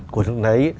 của chúng đấy